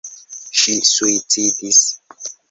Ŝi suicidis.